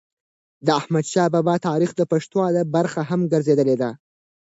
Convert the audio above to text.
د احمدشا بابا تاریخ د پښتو ادب برخه هم ګرځېدلې ده.